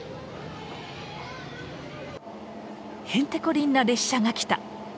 へんてこりんな列車が来た！